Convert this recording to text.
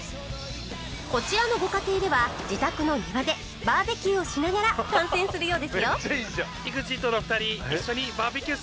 こちらのご家庭では自宅の庭でバーベキューをしながら観戦するようですよ